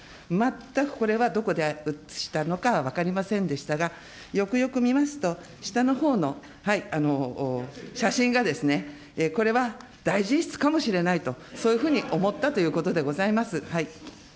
全くこれはどこで写したのかは分かりませんでしたが、よくよく見ますと、下のほうの写真が、これは大臣室かもしれないと、そういうふうに思ったということでございます。